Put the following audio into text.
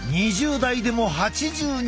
２０代でも８２％。